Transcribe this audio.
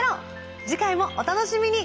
次回もお楽しみに。